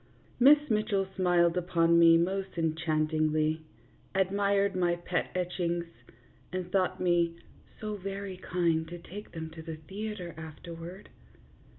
Miss Mitchell smiled upon me most enchantingly, admired my pet etchings, and thought me " so very kind to take them to the theatre afterward."